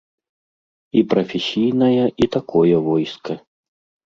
І прафесійнае, і такое войска.